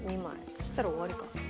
そしたら終わりか。